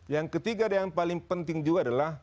yang ketiga dan yang paling penting juga adalah